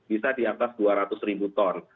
bisa di atas dua ratus ribu ton